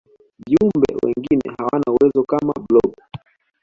viumbe wengine hawana uwezo kama blob